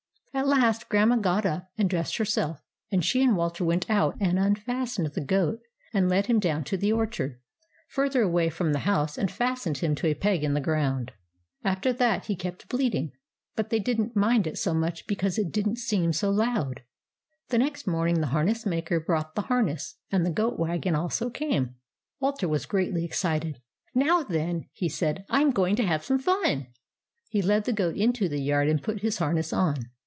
At last Grandma got up and dressed herself, and she and Walter went out and unfas tened the goat and led him down to the orchard, further away from the house, and fastened him to a peg in the ground. After that he kept bleating; but they did n't mind it so much because it did n't seem so loud. The next morning the harness maker brought the harness, and the goat wagon also came. Walter was greatly excited. " Now then !" he said, " I 'm going to have some fun." He led the goat into the yard, and put his harness on.